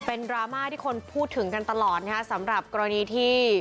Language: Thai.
เป็นดราม่าที่คนพูดถึงกันตลอดนะฮะสำหรับกรณีที่